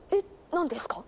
何ですか？